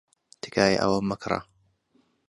تکایە ئەوە مەکڕە.